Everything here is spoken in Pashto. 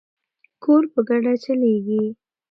کور په ګډه چلیږي.